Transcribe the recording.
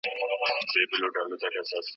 دا کمپیوټر تر هغه بل ډېر عصري دی.